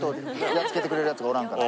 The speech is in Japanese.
やっつけてくれるヤツがおらんから。